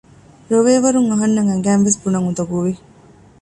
ރޮވޭ ވަރުން އަހަންނަށް އަނގައިންވެސް ބުނަން އުނދަގޫވި